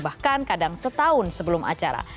bahkan kadang setahun sebelum acara